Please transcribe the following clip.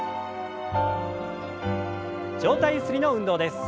上体ゆすりの運動です。